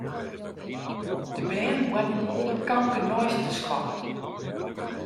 De bern boarten op it kampke neist de skoalle.